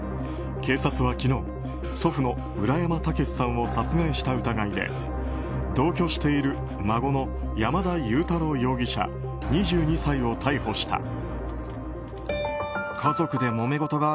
警察は、昨日祖父の浦山毅さんを殺害した疑いで同居している孫の山田悠太郎容疑者、２２歳を逮捕した。